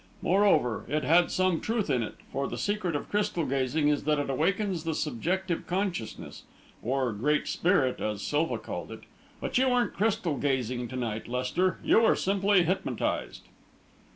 Moreover, it had some truth in it, for the secret of crystal gazing is that it awakens the subjective consciousness, or Great Spirit, as Silva called it. But you weren't crystal gazing, to night, Lester you were simply hypnotised."